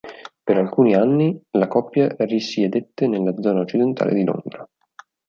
Per alcuni anni la coppia risiedette nella zona occidentale di Londra.